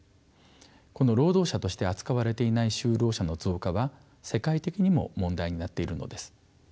この労働者として扱われていない就労者の増加は世界的にも問題になっているのです。